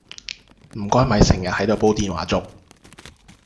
唔該咪成日喺度煲電話粥